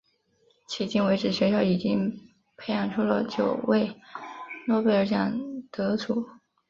迄今为止学校已经培养出了九位诺贝尔奖得主。